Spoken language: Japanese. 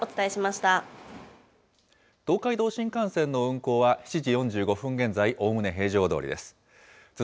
東海道新幹線の運行は７時４５分現在、おおむね平常どおりです。